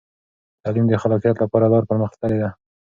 تعلیم د خلاقیت لپاره لا پرمخ تللی دی.